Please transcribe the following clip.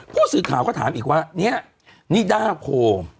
ผู้สื่อข่าวเขาถามอีกว่าเนี้ยนี่ด้าโค